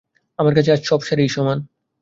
আমার কাছে আজ সব শাড়িই সমান।